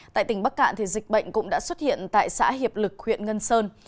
tại tỉnh bắc cạn dịch bệnh cũng đã xuất hiện tại xã hiệp lực huyện ngân sơn